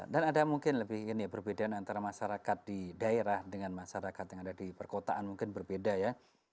dan ada mungkin lebih ini ya perbedaan antara masyarakat di daerah dengan masyarakat yang ada di perkotaan mungkin berbeda ya